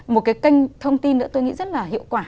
một cái kênh thông tin nữa tôi nghĩ rất là hiệu quả